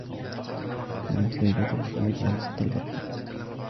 كانت ليلى تحبّ مجالسة الأطفال.